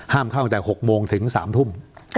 ห้ามเข้ากันตั้งแต่หกโมงถึงสามทุ่ม